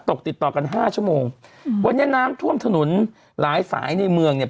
ตกติดต่อกันห้าชั่วโมงอืมวันนี้น้ำท่วมถนนหลายสายในเมืองเนี่ย